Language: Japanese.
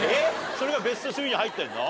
それがベスト３に入ってるの？